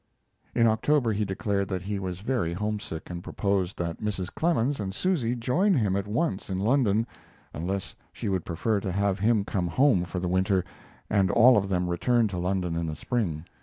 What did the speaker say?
In October he declared that he was very homesick, and proposed that Mrs. Clemens and Susie join him at once in London, unless she would prefer to have him come home for the winter and all of them return to London in the spring.